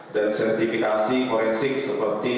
dan sertifikasi kriptografi